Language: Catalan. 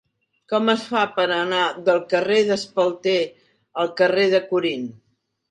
Com es fa per anar del carrer d'Espalter al carrer de Corint?